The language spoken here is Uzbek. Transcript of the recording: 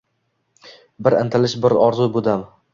Bir intilish, bir orzu bu dam.